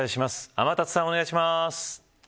天達さん、お願いします。